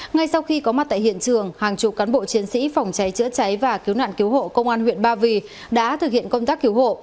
ngay sau khi có mặt tại hiện trường hàng chục cán bộ chiến sĩ phòng cháy chữa cháy và cứu nạn cứu hộ công an huyện ba vì đã thực hiện công tác cứu hộ